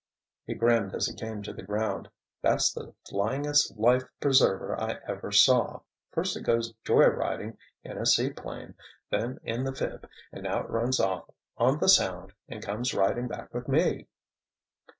He grinned as he came to the ground. "That's the flyingest life preserver I ever saw—first it goes joy riding in a seaplane, then in the 'phib' and now it runs off on the Sound and comes riding back with me."